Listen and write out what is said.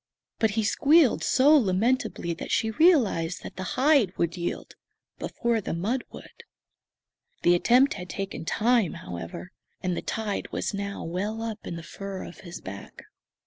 But he squealed so lamentably that she realized that the hide would yield before the mud would. The attempt had taken time, however; and the tide was now well up in the fur of his back.